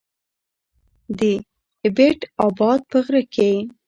د ايبټ اباد په غره کې